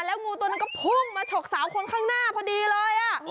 แล้วงูตัวนั้นก็พุ่งมาฉกสาวคนข้างหน้าพอดีเลย